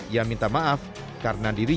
ia minta maaf karena dirinya